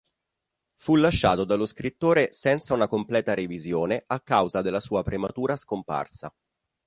Fu lasciato dallo scrittore senza una completa revisione a causa della sua prematura scomparsa.